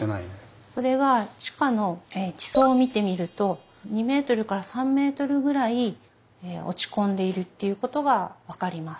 それが地下の地層を見てみると２３ｍぐらい落ち込んでいるっていうことが分かります。